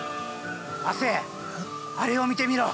亜生あれを見てみろ！